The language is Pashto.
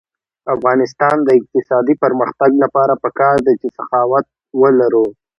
د افغانستان د اقتصادي پرمختګ لپاره پکار ده چې سخاوت ولرو.